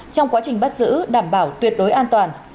trong quá trình bắt giữ đảm bảo tuyệt đối an toàn